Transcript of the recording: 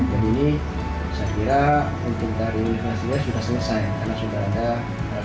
dan ini saya kira untuk dari universitas jaya sudah selesai